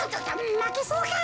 まけそうか？